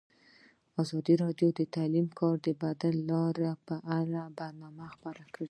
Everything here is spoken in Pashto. ازادي راډیو د تعلیم لپاره د بدیل حل لارې په اړه برنامه خپاره کړې.